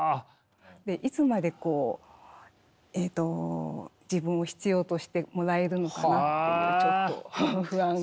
いつまで自分を必要としてもらえるのかなっていうのをちょっと不安がよぎって。